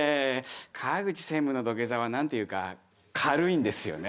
川口専務の土下座は何ていうか軽いんですよね。